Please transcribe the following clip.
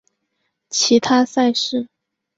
其他赛事